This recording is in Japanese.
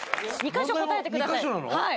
か所答えてください